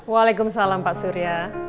waalaikumsalam pak surya